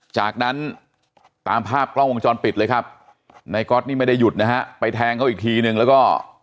จากนั้นตามภาพกล้องวงจรปิดเลยครับนายก๊อตนี่ไม่ได้หยุดนะฮะไปแทงเขาอีกทีนึงแล้วก็